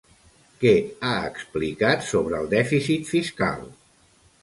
Què ha explicat sobre el dèficit fiscal?